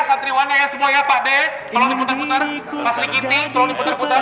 santriwannya ya semuanya pade ini pun terlalu